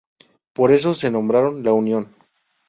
Por eso, se nombraron "La Unión".